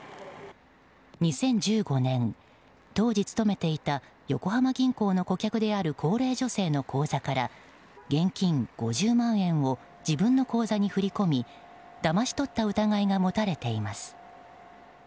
２０１５年、当時勤めていた横浜銀行の顧客である高齢女性の口座から現金５０万円を自分の口座に振り込みだまし取った疑いが持たれています。